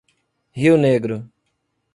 Rio Negro